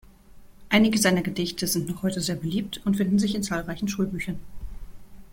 Einige seiner Gedichte sind noch heute sehr beliebt und finden sich in zahlreichen Schulbüchern.